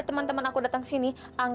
iya begini neng